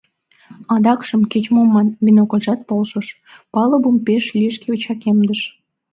Адакшым кеч-мом ман, бинокльжат полшыш: палубым пеш лишке чакемдыш.